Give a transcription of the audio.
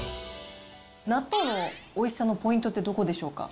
納豆のおいしさのポイントってどこでしょうか？